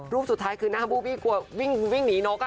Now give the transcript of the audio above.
รูปสุดท้ายคือน่าบูบีกว่าวิ่งหนีนกอะ